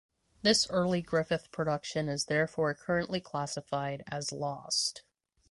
This early Griffith production is therefore currently classified as lost.